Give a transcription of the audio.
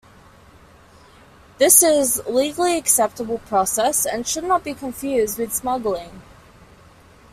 This is a legally acceptable process and should not be confused with smuggling.